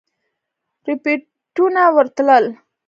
رپوټونه ورتلل.